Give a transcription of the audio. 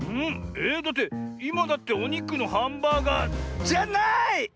えっだっていまだっておにくのハンバーガーじゃない！